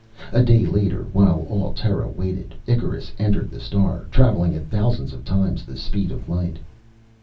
A day later, while all Terra waited, Icarus entered the star, traveling at thousands of times the speed of light.